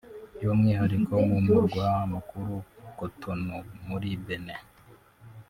By’umwihariko mu murwa mukuru Cotonou muri Benin